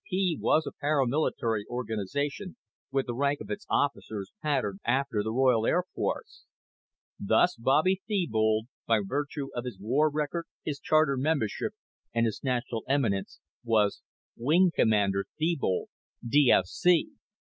PP was a paramilitary organization with the rank of its officers patterned after the Royal Air Force. Thus Bobby Thebold, by virtue of his war record, his charter membership and his national eminence, was Wing Commander Thebold, DFC.